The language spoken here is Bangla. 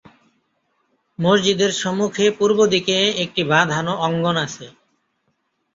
মসজিদের সম্মুখে পূর্বদিকে একটি বাঁধানো অঙ্গন আছে।